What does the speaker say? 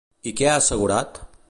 I què ha assegurat?